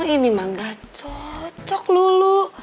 ini mah gak cocok lulu